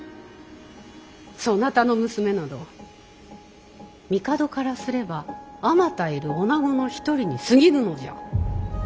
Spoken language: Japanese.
そなたの娘など帝からすればあまたいる女子の一人にすぎぬのじゃ。